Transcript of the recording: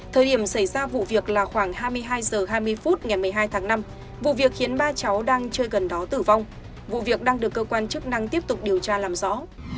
thời điểm xảy ra vụ việc là khoảng hai mươi hai h hai mươi phút ngày một mươi hai tháng năm vụ việc khiến ba cháu đang chơi gần đó tử vong vụ việc đang được cơ quan chức năng tiếp tục điều tra làm rõ